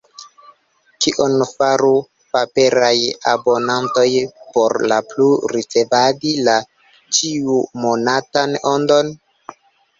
Kion faru paperaj abonantoj por plu ricevadi la ĉiumonatan Ondon?